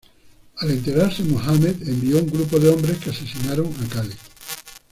Al enterarse Mohammed, envió un grupo de hombres que asesinaron a Cali.